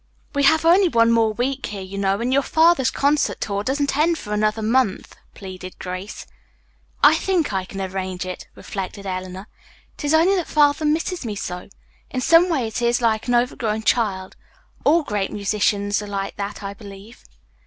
We have only one more week here, you know, and your father's concert tour doesn't end for another month," pleaded Grace. "I think I can arrange it," reflected Eleanor. "It is only that Father misses me so. In some ways he is like an overgrown child. All great musicians are like that, I believe."